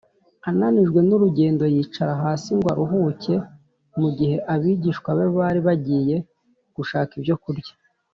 . Ananijwe n’urugendo, yicara hasi ngo aruhuke mu gihe abigishwa be bari bagiye gushaka ibyo kurya